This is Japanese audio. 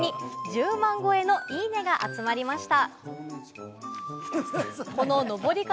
１０万超えの「いいね」が集まりました。